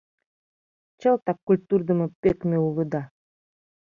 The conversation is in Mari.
Чылтак культурдымо пӧкмӧ улыда.